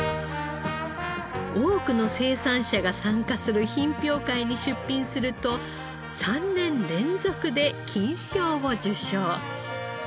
多くの生産者が参加する品評会に出品すると３年連続で金賞を受賞。